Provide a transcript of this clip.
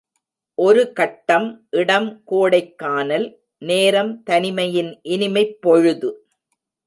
ஒரு கட்டம் இடம் கோடைக்கானல், நேரம் தனிமையின் இனிமைப் பொழுது.